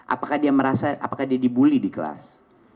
apakah dia merasa apakah dia dibully di kelas